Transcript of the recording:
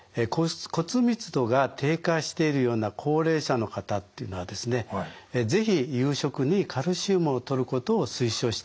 骨密度が低下しているような高齢者の方っていうのはですね是非夕食にカルシウムをとることを推奨したいと思いますね。